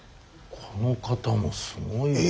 この方もすごい。